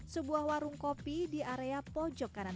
ketika sudah berjalan